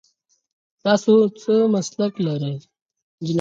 تاسو څه مسلک لرئ ؟